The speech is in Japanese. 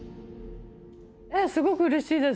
ええ、すごくうれしいです。